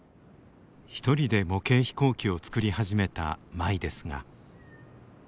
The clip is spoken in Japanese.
一人で模型飛行機を作り始めた舞ですが。